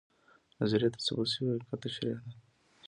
نظریه د ثبوت شوي حقیقت تشریح ده